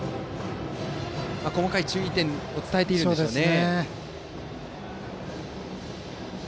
細かい注意点を伝えているんでしょうね。